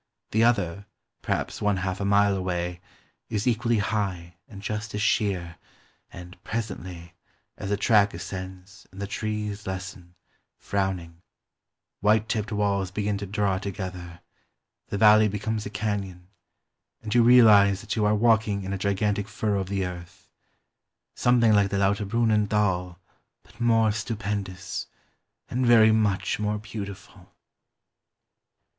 The other, perhaps one half a mile away, is equally high and just as sheer, and presently, as the track ascends and the trees lessen, frowning, white tipped walls begin to draw together, the valley becomes a canyon, and you realize that you are walking in a gigantic furrow of the earth, — some thing like the Lauterbrunnen Thai, but more stupendous, and very much more beautiful."